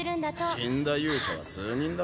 「死んだ勇者は数人だろ？